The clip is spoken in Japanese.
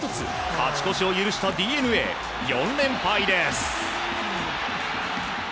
勝ち越しを許したＤｅＮＡ４連敗です。